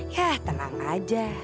ya tenang aja